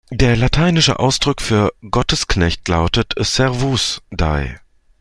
Der lateinische Ausdruck für Gottesknecht lautet "servus Dei".